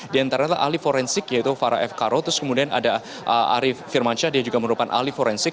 di antara ahli forensik yaitu farah f karo terus kemudian ada arief firmansyah dia juga merupakan ahli forensik